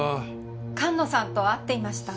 菅野さんと会っていました。